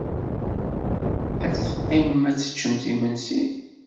Ad teqqimemt ad teččemt imensi?